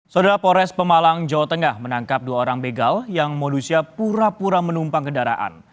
saudara polres pemalang jawa tengah menangkap dua orang begal yang modusnya pura pura menumpang kendaraan